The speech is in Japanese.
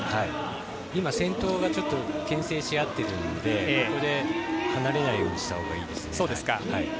先頭がけん制し合っているのでこれで離れないようにしたほうがいいですね。